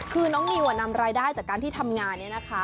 คือน้องนิวนำรายได้จากการที่ทำงานนี้นะคะ